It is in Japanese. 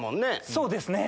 そうですね。